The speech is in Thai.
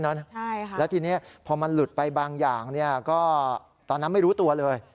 แล้วทีนี้พอมันหลุดไปบางอย่างก็ตอนนั้นไม่รู้ตัวเลย